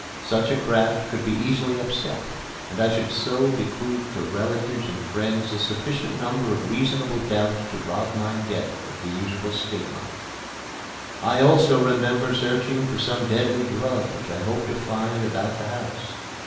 Such a craft could be easily upset, and I should so bequeath to relatives and friends a sufficient number of reasonable doubts to rob my death of the usual stigma. I also remember searching for some deadly drug which I hoped to find about the house.